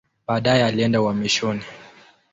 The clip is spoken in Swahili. Baadaye alienda uhamishoni.